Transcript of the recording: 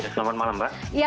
selamat malam mbak